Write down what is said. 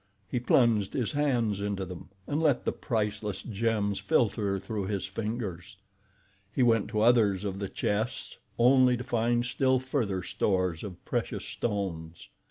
He plunged his hands into them and let the priceless gems filter through his fingers. He went to others of the chests, only to find still further stores of precious stones.